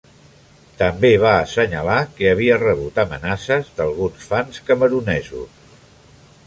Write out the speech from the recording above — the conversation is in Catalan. També va assenyalar que havia rebut amenaces d'alguns fans camerunesos.